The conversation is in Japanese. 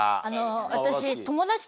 私。